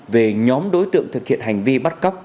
về nhóm đối tượng thực hiện hành vi bắt cóc